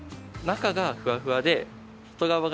中がふわふわ？